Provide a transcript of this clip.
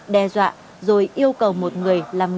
đe dọa rồi yêu cầu một người làm việc